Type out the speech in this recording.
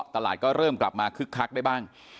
ตลาดก็เริ่มกลับมาคึกคักได้บ้าง